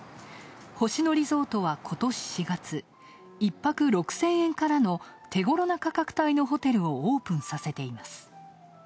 星野リゾートは、ことし４月１泊６０００円からの手ごろな価格帯のホテルをオープンさせています。